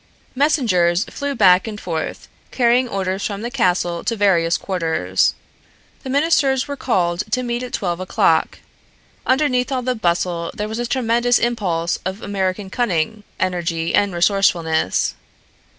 Messengers flew back and forth, carrying orders from the castle to various quarters. The ministers were called to meet at twelve o'clock. Underneath all the bustle there was a tremendous impulse of American cunning, energy and resourcefulness.